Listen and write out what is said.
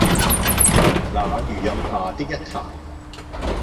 那榆蔭下的一潭